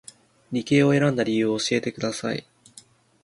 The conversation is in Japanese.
理系を選んだ理由を教えてください